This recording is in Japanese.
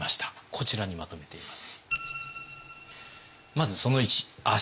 こちらにまとめています。